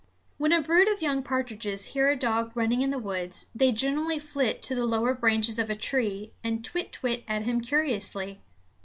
When a brood of young partridges hear a dog running in the woods, they generally flit to the lower branches of a tree and kwit kwit at him curiously.